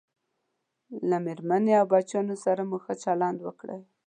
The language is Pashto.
له میرمنې او بچیانو سره مو ښه چلند وکړئ